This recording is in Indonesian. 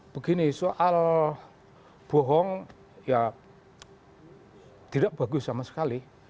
begini soal bohong ya tidak bagus sama sekali